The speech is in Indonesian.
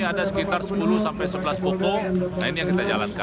ada sekitar sepuluh sampai sebelas pokok nah ini yang kita jalankan